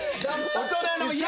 大人の嫌な。